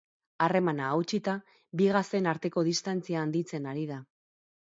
Harremana hautsita, bi gazteen arteko distantzia handitzen ari da.